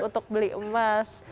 untuk beli emas